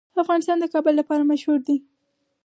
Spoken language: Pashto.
افغانستان د کابل لپاره مشهور دی.